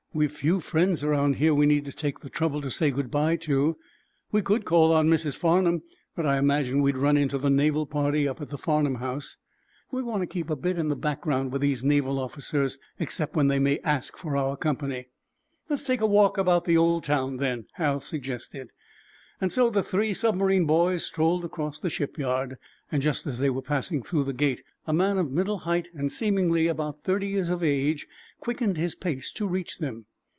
"We've few friends around here we need to take the trouble to say good bye to. We could call on Mrs. Farnum, but I imagine we'd run into the naval party up at the Farnum house. We want to keep a bit in the background with these naval officers, except when they may ask for our company." "Let's take a walk about the old town, then," Hal suggested. So the three submarine boys strolled across the shipyard. Just as they were passing through the gate a man of middle height and seemingly about thirty years of age quickened his pace to reach them.